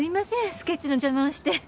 スケッチの邪魔をして。